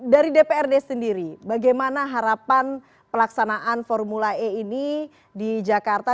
dari dprd sendiri bagaimana harapan pelaksanaan formula e ini di jakarta